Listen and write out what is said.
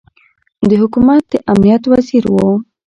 د حکومت د امنیت وزیر ؤ